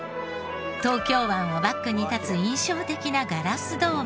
東京湾をバックに立つ印象的なガラスドーム。